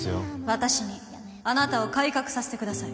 私にあなたを改革させてください